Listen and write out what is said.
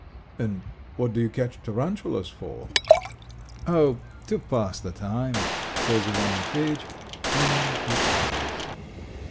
"And what do you catch tarantulas for?" "Oh! ... to pass the time ..." says Ivan Matveyitch, and he sighs.